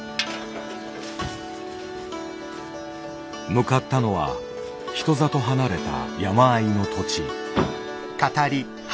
向かったのは人里離れた山あいの土地。